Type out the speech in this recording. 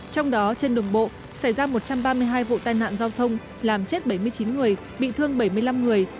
trong đó trên đường bộ xảy ra một trăm ba mươi hai vụ tai nạn giao thông làm chết bảy mươi chín người bị thương bảy mươi năm người